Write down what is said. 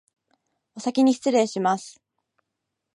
おさきにしつれいします